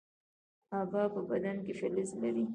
ایا په بدن کې فلز لرئ؟